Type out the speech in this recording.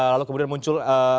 lalu kemudian muncul